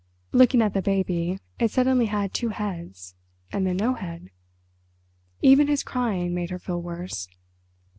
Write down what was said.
Looking at the baby, it suddenly had two heads, and then no head. Even his crying made her feel worse.